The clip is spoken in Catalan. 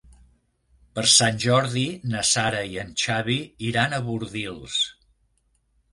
Per Sant Jordi na Sara i en Xavi iran a Bordils.